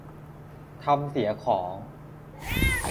ทำเสียของ